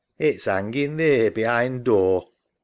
It's hanging theer behind door.